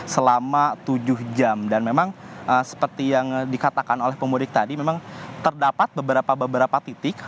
selama tujuh jam dan memang seperti yang dikatakan oleh pemudik tadi memang terdapat beberapa titik